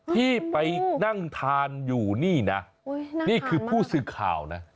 ที่ไปนั่งทานอยู่นี่นะนี่คือผู้สื่อข่าวนะ